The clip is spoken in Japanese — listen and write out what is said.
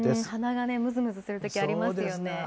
鼻がね、むずむずするときありますよね。